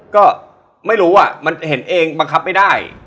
ก็ไม่รู้อ่ะมันเห็นเองบังคับไม่ได้